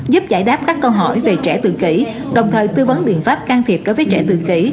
giúp giải đáp các câu hỏi về trẻ tự kỷ đồng thời tư vấn biện pháp can thiệp đối với trẻ tự kỷ